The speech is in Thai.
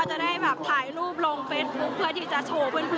จะได้แบบถ่ายรูปลงเฟซบุ๊คเพื่อที่จะโชว์เพื่อน